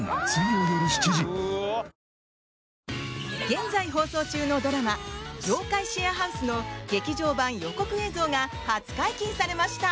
現在放送中のドラマ「妖怪シェアハウス」の劇場版予告映像が初解禁されました。